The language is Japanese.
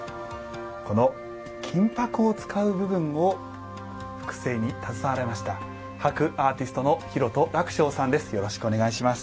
この金箔を使う部分を複製に携われました箔アーティストの裕人礫翔さんです。